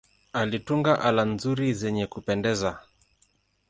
Alitunga ala nzuri zenye kupendeza.